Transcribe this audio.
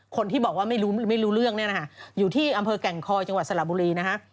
คนที่บอกว่าไม่รู้ไม่รู้เรื่องเนี่ยนะคะอยู่ที่อำเภอแก่งคอยจังหวัดสระบุรีนะฮะ